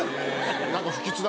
何か不吉だなと。